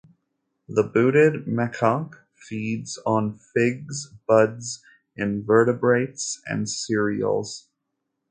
The booted macaque feeds on figs, buds, invertebrates and cereals.